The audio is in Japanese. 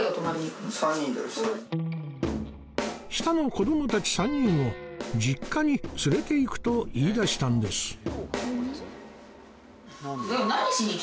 下の子どもたち３人を実家に連れて行くと言いだしたんです